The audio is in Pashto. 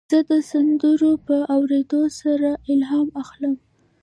زه د سندرو په اورېدو سره الهام اخلم.